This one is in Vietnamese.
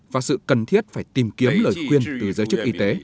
và sự cần thiết phải tìm kiếm lời khuyên từ giới chức y tế